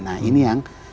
nah ini yang